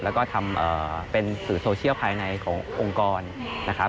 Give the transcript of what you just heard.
แล้วก็ทำเป็นสื่อโซเชียลภายในขององค์กรนะครับ